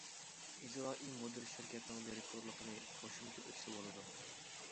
ئىجرائىي مۇدىر شىركەتنىڭ دىرېكتورلۇقىنى قوشۇمچە ئۆتىسە بولىدۇ.